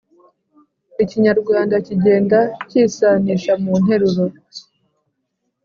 ikinyarwanda kigenda cyisanisha mu nteruro,